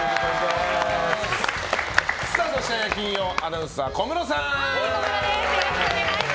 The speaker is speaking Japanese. そして、金曜アナウンサー小室さん。